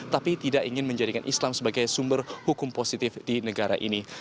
tapi tidak ingin menjadikan islam sebagai sumber hukum positif di negara ini